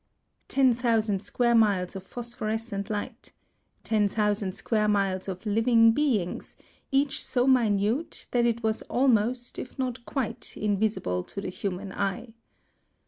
Ten thousand square miles of phosphorescent light; ten thousand square miles of living beings, each so minute that it was almost if not quite invisible to the human eye.